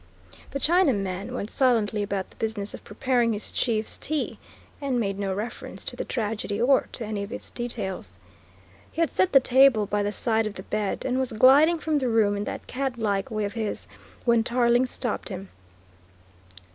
The Chinaman went silently about the business of preparing his chief's tea and made no reference to the tragedy or to any of its details. He had set the table by the side of the bed, and was gliding from the room in that cat like way of his when Tarling stopped him.